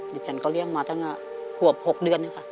เดี๋ยวฉันก็เลี้ยงมาตั้งแต่หวบ๖เดือนค่ะ